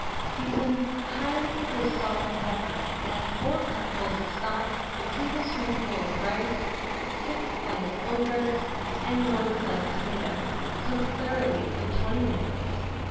Season highly with salt and pepper, add four cupfuls of stock, a tablespoonful of rice, six sliced okras, and one sliced tomato. Cook thoroughly for twenty minutes.